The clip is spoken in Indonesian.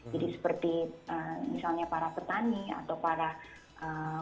jadi seperti misalnya para petani atau para kota